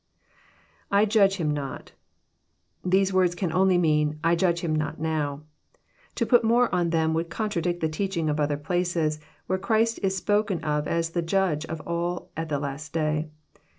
II Judge him noL"] These words can only mean, << I judge him not now." To put more on them would contradict the teaching of other places, where Christ is spoken of as the Judge of all at the last day.